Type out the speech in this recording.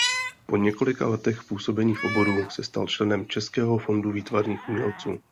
Po několika letech působení v oboru se stal členem Českého fondu výtvarných umělců.